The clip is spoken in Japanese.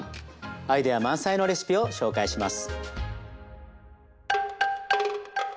アイデア満載のレシピを紹介します。